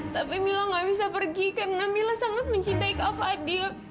tapi mila gak bisa pergi karena mila sangat mencintai kau fadil